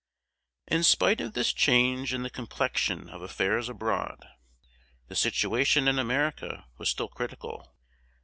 In spite of this change in the complexion of affairs abroad, the situation in America was still critical.